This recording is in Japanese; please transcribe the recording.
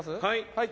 はい。